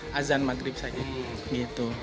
jadi setelah azan maghrib saja gitu